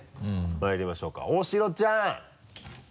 まいりましょうか大城ちゃん！